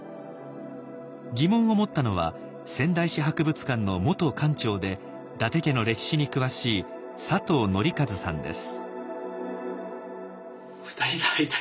疑問を持ったのは仙台市博物館の元館長で伊達家の歴史に詳しい佐藤憲一さんです。